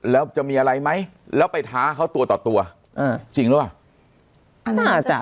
แล้วจะมีอะไรไหมแล้วไปท้าเขาตัวต่อตัวอ่าจริงหรือเปล่า